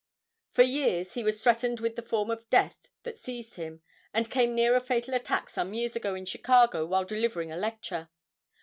For years he was threatened with the form of death that seized him, and came near a fatal attack some years ago in Chicago while delivering a lecture.